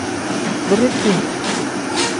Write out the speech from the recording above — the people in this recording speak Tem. Biriti.